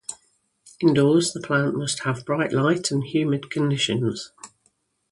Indoors, the plant must have bright light and humid conditions.